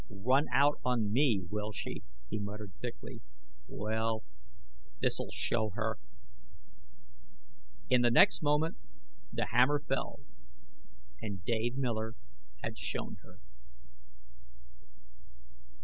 "Run out on me, will she!" he muttered thickly. "Well this'll show her!" In the next moment the hammer fell ... and Dave Miller had "shown her."